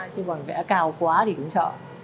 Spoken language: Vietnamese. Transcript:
chứ còn vẽ cao quá thì cũng sợ